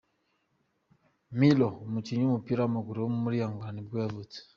Miloy, umukinnyi w’umupira w’amaguru wo muri Angola ni bwo yavutse.